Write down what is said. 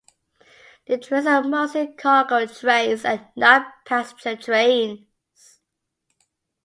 The trains are mostly cargo trains and not passenger trains.